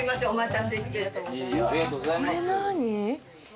これ何？